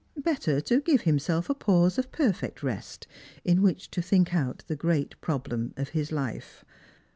Better to give himself a pause of perfect rest, in which to think out the great problem of his life.